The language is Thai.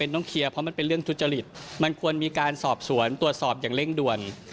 ตรวจสอบอย่างเร่งด่วน